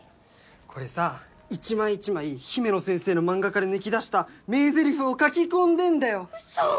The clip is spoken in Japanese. これさ一枚一枚姫乃先生の漫画から抜き出した名ゼリフを書き込んでんだよウソ？